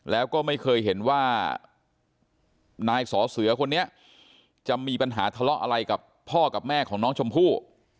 แล้วก็ไม่เคยเห็นว่านายสอเสือคนนี้จะมีปัญหาทะเลาะอะไรกับพ่อกับแม่ของน้องชมพู่